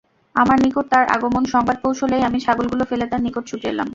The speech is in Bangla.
আমার নিকট তার আগমন সংবাদ পৌঁছলেই আমি ছাগলগুলো ফেলে তার নিকট ছুটে এলাম।